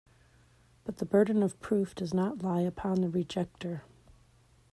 But the burden of proof does not lie upon the rejecter...